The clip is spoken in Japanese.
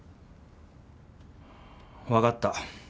分かった。